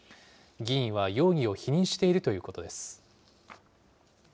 議員は容疑を否認しているということです。